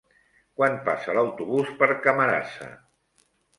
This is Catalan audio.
Quan passa l'autobús per Camarasa?